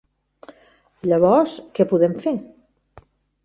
Llavors, què podem fer?